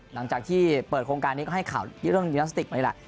หลังจากที่เปิดโครงการนี้ก็ให้ข่าวที่เรื่องยิลาสติกนี่แหละ